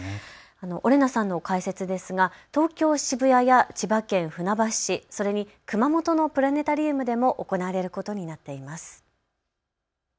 オレナさんの解説ですが東京渋谷や千葉県船橋市、それに熊本のプラネタリウムでも行われることになっています。